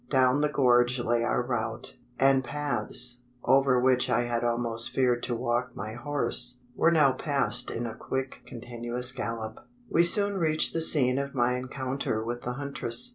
Down the gorge lay our route; and paths, over which I had almost feared to walk my horse, were now passed in a quick continuous gallop. We soon reached the scene of my encounter with the huntress.